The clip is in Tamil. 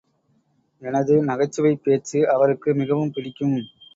எனது நகைச்சுவைப் பேச்சு அவருக்கு மிகவும் பிடிக்கும்.